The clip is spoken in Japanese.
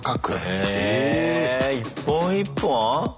一本一本？